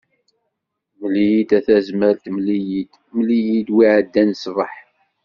Mel-iyi a Tazmalt mel-iyi, mel-iyi wi iɛeddan ṣbeḥ.